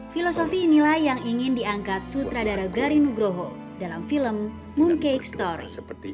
filosofi inilah yang ingin diangkat sutradara garinugroho dalam film mooncake story